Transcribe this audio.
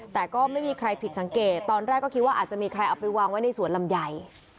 แต่ก็ไม่มีใครผิดสังเกตตอนแรกก็คิดว่าอาจจะมีใครเอาไปวางไว้ในสวนลำไย